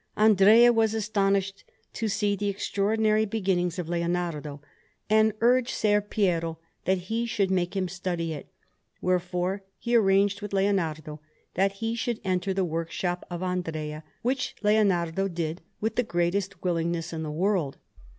Andrea was astonished to see the extraordinary beginnings of Leonardo, and urged Ser Piero that he should make him study it; wherefore he arranged with Leonardo that he should enter the workshop of Andrea, which Leonardo did with the greatest willingness in the world.